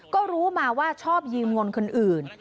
ก็รู้มาว่าชอบยืมเงินคนอื่น